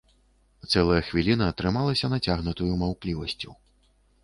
Цэлая хвіліна трымалася нацягнутаю маўклівасцю.